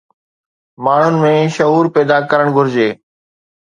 ماڻهن ۾ شعور پيدا ڪرڻ گهرجي